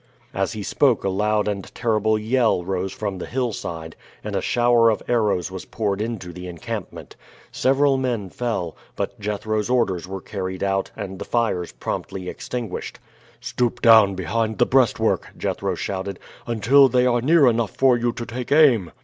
As he spoke a loud and terrible yell rose from the hillside and a shower of arrows was poured into the encampment. Several men fell, but Jethro's orders were carried out and the fires promptly extinguished. "Stoop down behind the breastwork," Jethro shouted, "until they are near enough for you to take aim.